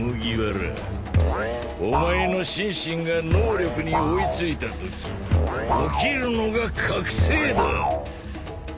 お前の心身が能力に追い付いたとき起きるのが覚醒だ！